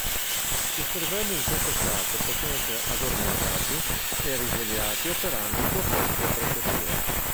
I cervelli in questo stato possono essere "addormentati" e risvegliati operando su apposite apparecchiature.